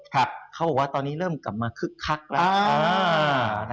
เขาบอกว่าตอนนี้เริ่มกลับมาคึกคักแล้ว